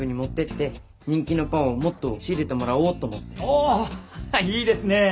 おいいですねえ！